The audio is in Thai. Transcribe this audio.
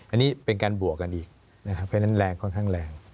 อันนี้เป็นการบวกกันอีกนะครับเพราะฉะนั้นแรงค่อนข้างแรง